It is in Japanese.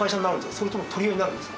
それとも取り合いになるんですか？